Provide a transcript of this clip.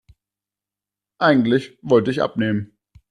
Eigentlich wollte ich abnehmen.